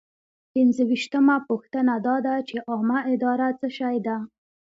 پنځویشتمه پوښتنه دا ده چې عامه اداره څه شی ده.